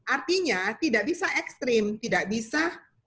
artinya tidak bisa ekstrim tidak bisa